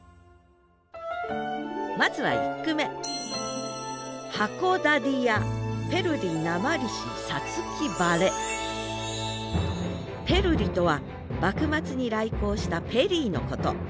まずは１句目「ペルリ」とは幕末に来航したペリーのこと。